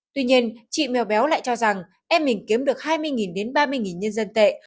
tuy nhiên chị mèo béo lại cho rằng em mình kiếm được hai mươi đến ba mươi nhân dân tệ